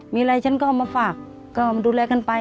มีอะไรฉันก็เอามาฝากก็มาดูแลกันไป